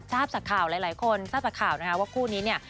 ทราบจากข่าวหลายคนทราบจากข่าวนะคะว่าคู่นี้เนี่ย